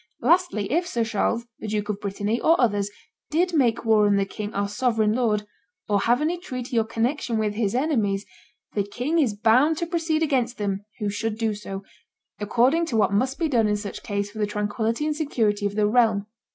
Lastly, if Sir Charles, the Duke of Brittany, or others, did make war on the king our sovereign lord, or have any treaty or connection with his enemies, the king is bound to proceed against them who should do so, according to what must be done in such case for the tranquillity and security of the realm